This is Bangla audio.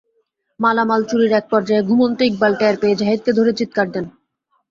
মালামাল চুরির একপর্যায়ে ঘুমন্ত ইকবাল টের পেয়ে জাহিদকে ধরে চিত্কার দেন।